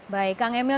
baik kang emil